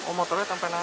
oh motornya sampai naik